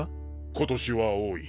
今年は多い。